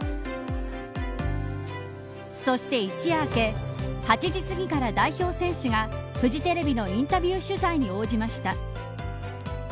そして、一夜明け８時すぎから代表選手がフジテレビのインタビュー取材に応じました。